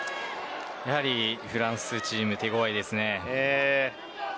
やはりフランスチームは手ごわいです。